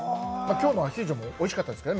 今日のアヒージョもおいしかったですけどね。